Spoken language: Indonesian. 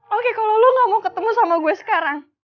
oke kalau lulu gak mau ketemu sama gue sekarang